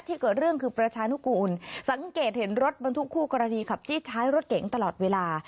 ที่ใช้รถเก่งตลอดเวลา